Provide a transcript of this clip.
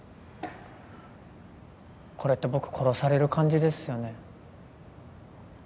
これって僕殺される感じですよね？